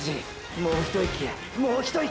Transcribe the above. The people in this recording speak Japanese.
もう一息やもう一息！！